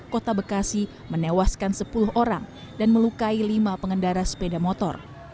kota bekasi menewaskan sepuluh orang dan melukai lima pengendara sepeda motor